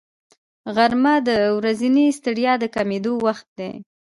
غرمه د ورځنۍ ستړیا د کمېدو وخت دی